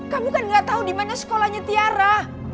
kamu kan gak tahu dimana sekolahnya tiara